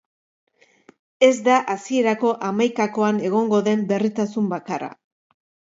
Ez da hasierako hamaikakoan egongo den berritasun bakarra.